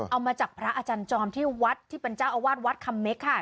เอามาจากพระอาจารย์จอมที่วัดที่เป็นเจ้าอาวาสวัดคำเม็กค่ะ